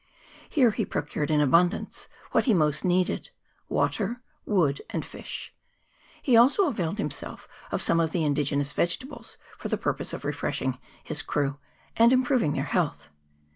Here he procured in abundance what he most needed water, wood, and fish ; he also availed himself of some of the indige nous vegetables for the purpose of refreshing his crew and improving their health.